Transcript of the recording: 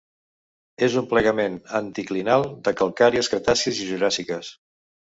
És un plegament anticlinal de calcàries cretàcies i juràssiques.